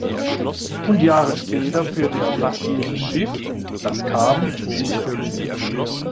Und Jahre später führte er fast jedes Schiff, das kam, sicher.